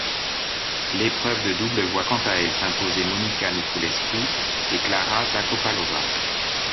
L'épreuve de double voit quant à elle s'imposer Monica Niculescu et Klára Zakopalová.